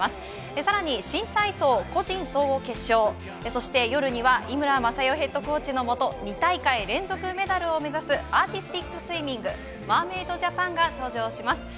さらに新体操、個人総合決勝、そして、夜には井村雅代ヘッドコーチの元に２大会連続メダルを目指すアーティスティックスイミング、マーメイドジャパンが登場します。